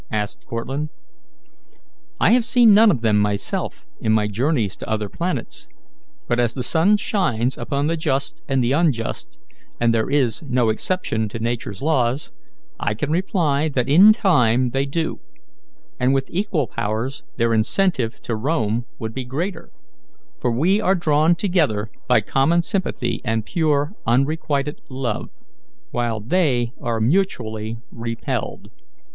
asked Cortlandt. "I have seen none of them myself in my journeys to other planets; but as the sun shines upon the just and the unjust, and there is no exception to Nature's laws, I can reply that in time they do, and with equal powers their incentive to roam would be greater; for we are drawn together by common sympathy and pure, requited love, while they are mutually repelled.